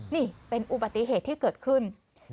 นี่เป็นอุบัติเหตุที่เกิดขึ้น